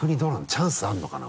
チャンスあるのかな？